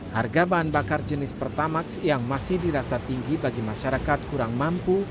harga bahan bakar jenis pertamax yang masih dirasa tinggi bagi masyarakat kurang mampu